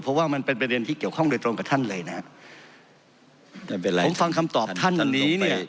เพราะว่ามันเป็นประเด็นที่เกี่ยวข้องโดยตรงกับท่านเลยนะฮะไม่เป็นไรผมฟังคำตอบท่านนี้เนี่ย